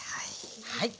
はい。